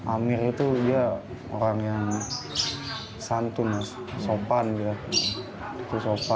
amir itu dia orang yang santun ya sopan gitu sopan